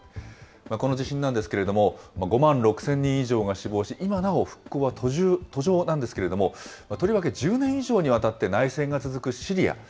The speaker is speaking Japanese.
この地震なんですけれども、５万６０００人以上が死亡し、今なお復興は途上なんですけれども、とりわけ１０年以上にわたって内戦が続くシリア。